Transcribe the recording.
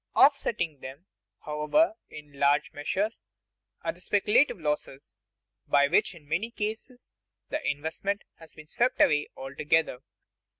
Offsetting them, however, in large measure, are the speculative losses, by which in many cases the investment has been swept away altogether.